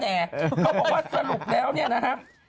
เขาบอกว่าสรุปแล้วเนี่ยนะครับ